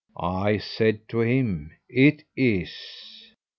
I said to him, 'It is.'